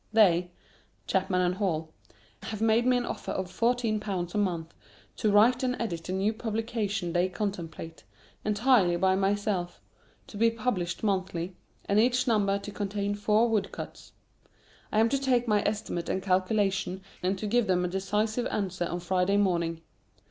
They (Chapman and Hall) have made me an offer of fourteen pounds a month, to write and edit a new publication they contemplate, entirely by myself, to be published monthly, and each number to contain four woodcuts. I am to make my estimate and calculation, and to give them a decisive answer on Friday morning.